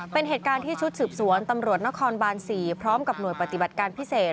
เป็นเหตุการณ์ที่ชุดสืบสวนตำรวจนครบาน๔พร้อมกับหน่วยปฏิบัติการพิเศษ